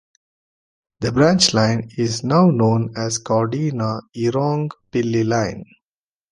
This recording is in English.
The branch line is now known as the Corinda-Yeerongpilly line.